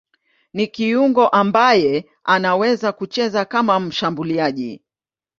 Ni kiungo ambaye anaweza kucheza kama mshambuliaji.